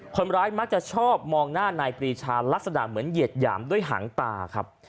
คนร้ายมักจะชอบมองหน้านายปรีชาลักษณะเหมือนเหยียดหยามด้วยหางตาครับ